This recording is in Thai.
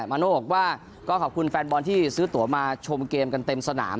มาโน่บอกว่าก็ขอบคุณแฟนบอลที่ซื้อตัวมาชมเกมกันเต็มสนาม